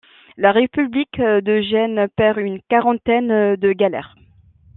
La république de Gênes perd une quarantaine de galères.